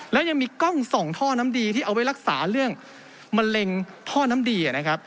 แล้วยังมีกล้องส่องท่อน้ำดีที่เอาไว้รักษาเรื่องมะเร็งท่อน้ำดีนะครับ